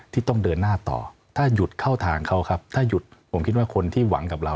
ที่ต้องเดินหน้าต่อถ้าหยุดเข้าทางเขาครับถ้าหยุดผมคิดว่าคนที่หวังกับเรา